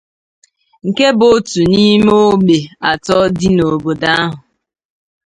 nke bụ otu n'ime ógbè atọ dị n'obodo ahụ